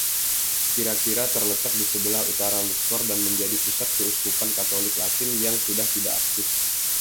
Kira-kira terletak di sebelah utara Luxor dan menjadi pusat keuskupan Katolik Latin yang sudah tidak aktif.